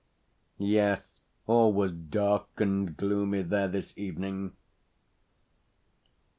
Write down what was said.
Yes, all was dark and gloomy there this evening.